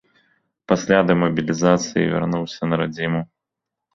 Пасля дэмабілізацыі вярнуўся на радзіму.